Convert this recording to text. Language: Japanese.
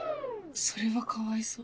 それはかわいそう。